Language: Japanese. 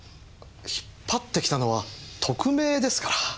引っ張ってきたのは特命ですから。